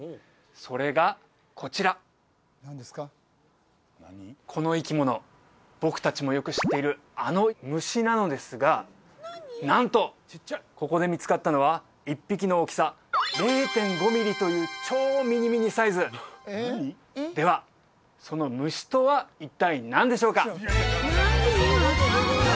それがこちらこの生き物僕達もよく知っているあの虫なのですがなんとここで見つかったのは１匹の大きさ０．５ミリという超ミニミニサイズではその虫とは一体何でしょうか？